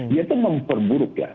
dia itu memperburuk